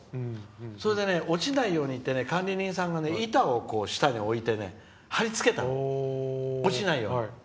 それで落ちないようにって管理人さんが板を下に置いて貼り付けたのよ、落ちないように。